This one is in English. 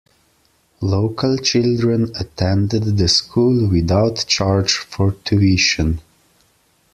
Local children attended the school without charge for tuition.